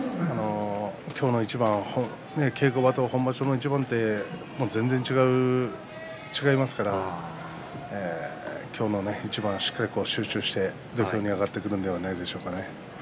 今日の一番は稽古場と本場所の一番って全然違いますから今日の一番、しっかり集中して土俵に上がってくるのではないでしょうかね。